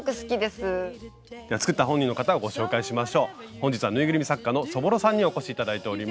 本日はぬいぐるみ作家のそぼろさんにお越し頂いております。